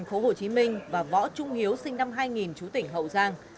trần hoàng nguyên và võ trung hiếu sinh năm hai nghìn chú tỉnh hậu giang